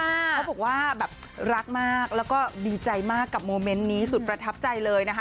เขาบอกว่าแบบรักมากแล้วก็ดีใจมากกับโมเมนต์นี้สุดประทับใจเลยนะคะ